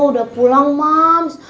udah pulang mams